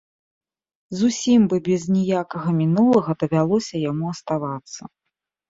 Зусім бы без ніякага мінулага давялося яму аставацца.